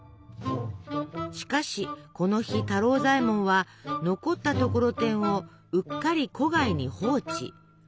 しかしこの日太郎左衛門は残ったところてんをうっかり戸外に放置。